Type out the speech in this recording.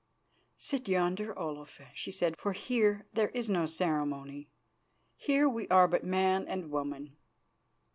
"Sit yonder, Olaf," she said, "for here there is no ceremony; here we are but man and woman."